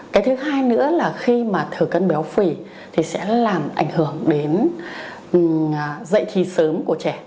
cái thứ hai nữa là khi mà thừa cân béo phì thì sẽ làm ảnh hưởng đến dạy thì sớm của trẻ